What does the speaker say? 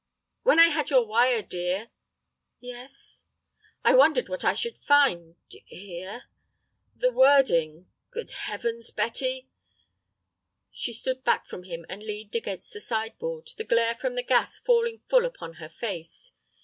"When I had your wire, dear—" "Yes." "I wondered what I should find—here. The wording—Good Heavens, Betty—" She stood back from him and leaned against the sideboard, the glare from the gas falling full upon her face.